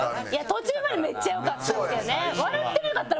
途中までめっちゃ良かったんですけどね。